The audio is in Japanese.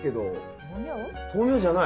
豆苗じゃない？